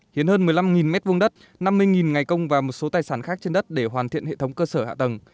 hiến hơn một mươi năm m hai đất năm mươi ngày công và một số tài sản khác trên đất để hoàn thiện hệ thống cơ sở hạ tầng